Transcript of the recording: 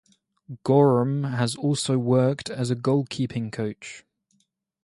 Goram has also worked as a goalkeeping coach.